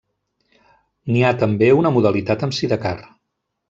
N'hi ha també una modalitat amb sidecar.